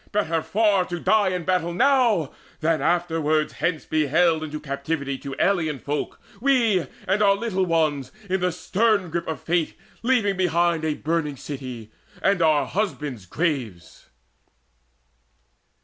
Better far To die in battle now, than afterwards Hence to be haled into captivity To alien folk, we and our little ones, In the stern grip of fate leaving behind A burning city, and our husbands' graves."